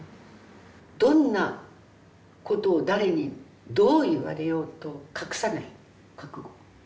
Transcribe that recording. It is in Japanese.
どんなことを誰にどう言われようと隠さない覚悟。